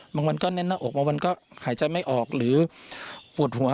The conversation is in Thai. บางวันก็เน้นหน้าอกบางวันก็หายใจไม่ออกหรือปวดหัว